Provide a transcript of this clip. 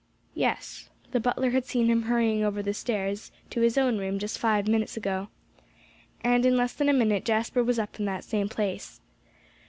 "Yes." The butler had seen him hurrying over the stairs to his own room just five minutes ago. And in less than a minute Jasper was up in that same place.